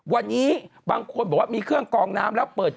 วันนี้บางคนบอกว่ามีเครื่องกองน้ำแล้วเปิด